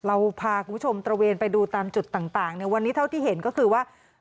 เราพาคุณผู้ชมตระเวนไปดูตามจุดต่างในวันนี้เท่าที่เห็นก็คือว่า